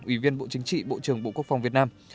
ủy viên bộ chính trị bộ trưởng bộ quốc phòng việt nam